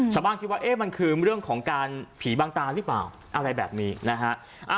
ชาวบ้านคิดว่าเอ๊ะมันคือเรื่องของการผีบางตาหรือเปล่าอะไรแบบนี้นะฮะ